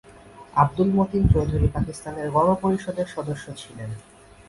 আব্দুল মতিন চৌধুরী পাকিস্তানের গণপরিষদের সদস্য ছিলেন।